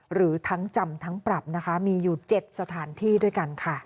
หรือทั้งจำทั้งปรับนะคะมีอยู่๗สถานที่ด้วยกันค่ะ